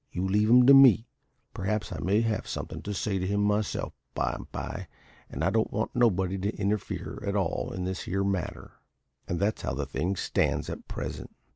You leave him to me; perhaps I may have somethin' to say to him myself by and by, and I don't want nobody to interfere at all in this here matter.' And that's how the thing stands at present."